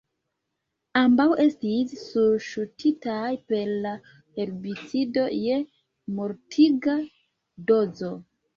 Ambaŭ estis surŝutitaj per la herbicido je mortiga dozo.